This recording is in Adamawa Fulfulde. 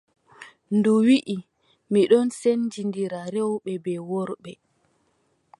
Ndu wii: mi ɗon sendindira rewɓe bee worɓe.